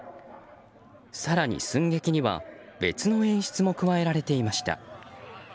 更に、寸劇には別の演出も加えられていました。